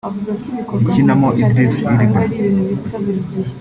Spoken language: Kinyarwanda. Ikinamo Idris Ilba